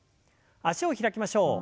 脚を開きましょう。